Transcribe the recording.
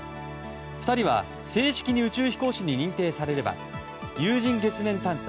２人は正式に宇宙飛行士に認定されれば有人月面探査